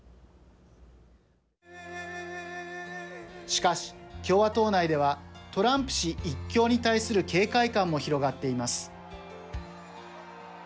しかし、共和党内ではトランプ氏一強に対する警戒感も広がっています。